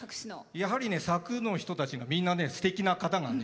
やはり佐久の人たちはみんな、すてきな方なんで。